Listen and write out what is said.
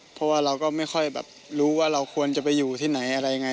เพราะว่าเราก็ไม่ค่อยแบบรู้ว่าเราควรจะไปอยู่ที่ไหนอะไรยังไง